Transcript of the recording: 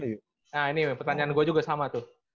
nah ini pertanyaan gue juga sama tuh